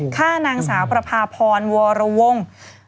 ฆ่านางสาวประพาพรวรวงศ์